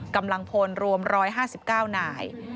กำลังพลรวม๑๕๙นาย